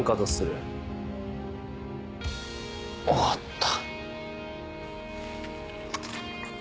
終わった。